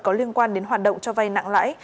có liên quan đến hoạt động cho vay nặng lãi